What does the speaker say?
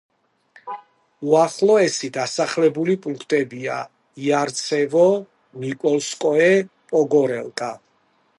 უახლოესი დასახლებული პუნქტებია: იარცევო, ნიკოლსკოე, პოგორელკა.